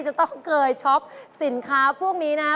จะต้องเคยช็อปสินค้าพวกนี้นะ